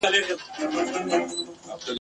داسي اور دی چي نه مري او نه سړیږي !.